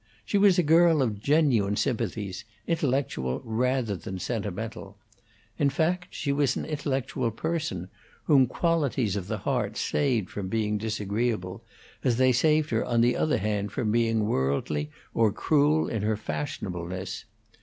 She was a girl of genuine sympathies, intellectual rather than sentimental. In fact, she was an intellectual person, whom qualities of the heart saved from being disagreeable, as they saved her on the other hand from being worldly or cruel in her fashionableness.